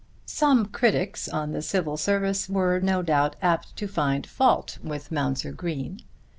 Some critics on the Civil Service were no doubt apt to find fault with Mounser Green.